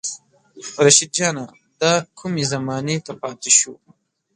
رشيد جانه دا کومې زمانې ته پاتې شو